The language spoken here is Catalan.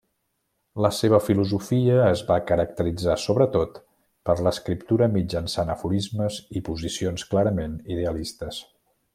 La seva filosofia es va caracteritzar sobretot per l'escriptura mitjançant aforismes i posicions clarament idealistes.